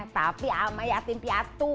tapi ama yatim piatu